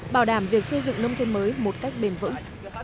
bảo đảm việc xây dựng nông thôn mới một cách bền vững